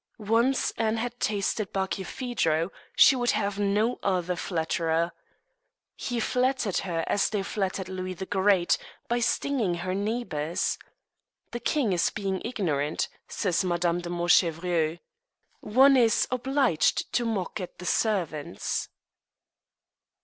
Once Anne had tasted Barkilphedro she would have no other flatterer. He flattered her as they flattered Louis the Great, by stinging her neighbours. "The king being ignorant," says Madame de Montchevreuil, "one is obliged to mock at the savants."